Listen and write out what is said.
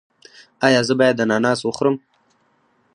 ایا زه باید اناناس وخورم؟